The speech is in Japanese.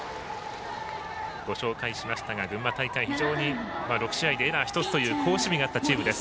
ご紹介しましたが群馬大会６試合でエラー１つという好守備だったチームです。